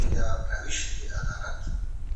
باور او ایمانداري د ژوند مهم اصول دي.